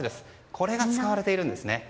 これが使われているんですね。